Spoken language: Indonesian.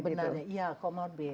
jadi itu sebenarnya ya comorbid